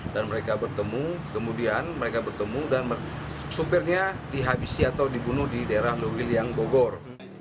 dan mereka bertemu kemudian mereka bertemu dan supirnya dihabisi atau dibunuh di daerah lui liang bogor